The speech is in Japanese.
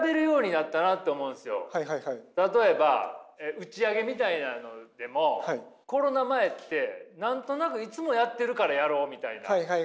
我々は例えば打ち上げみたいなのでもコロナ前って何となくいつもやってるからやろうみたいな。